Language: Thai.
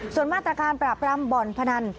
ส่วนมาตรการปราบรามบ่อนพนัน